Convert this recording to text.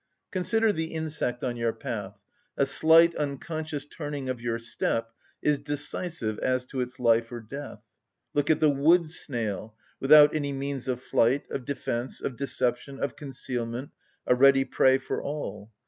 Consider the insect on your path; a slight, unconscious turning of your step is decisive as to its life or death. Look at the wood‐snail, without any means of flight, of defence, of deception, of concealment, a ready prey for all.